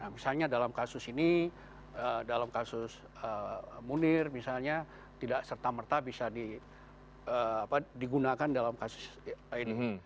misalnya dalam kasus ini dalam kasus munir misalnya tidak serta merta bisa digunakan dalam kasus ini